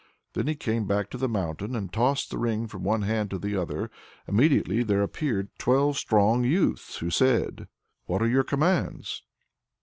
Then he came back to the mountain and tossed the ring from one hand to the other. Immediately there appeared twelve strong youths, who said: "What are your commands?"